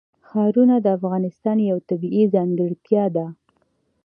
ښارونه د افغانستان یوه طبیعي ځانګړتیا ده.